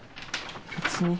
別に。